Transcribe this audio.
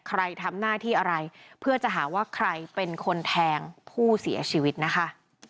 ใครทำหน้าที่อะไรเพื่อจะหาว่าใครเป็นคนแทงผู้เสียชีวิตนะคะ